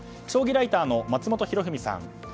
将棋ライターの松本博文さん。